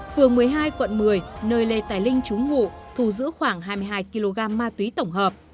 phường một mươi hai quận một mươi nơi lê tài linh trúng ngụ thu giữ khoảng hai mươi hai kg ma túy tổng hợp